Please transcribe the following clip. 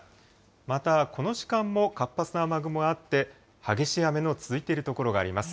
また、この時間も活発な雨雲があって、激しい雨の続いている所があります。